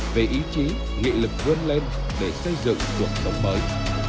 về ý chí nghị lực vươn lên để xây dựng cuộc sống mới